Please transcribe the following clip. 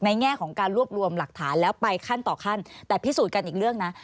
แง่ของการรวบรวมหลักฐานแล้วไปขั้นต่อขั้นแต่พิสูจน์กันอีกเรื่องนะ